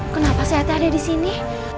kenapa saya ada disini